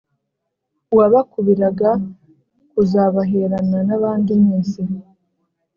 uwabakubiraga kuzabaherana nabandi mwese.